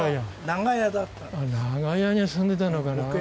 長屋に住んでたのかなあ。